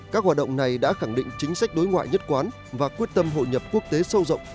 các hoạt động này đã khẳng định chính sách đối ngoại nhất quán và quyết tâm hội nhập quốc tế sâu rộng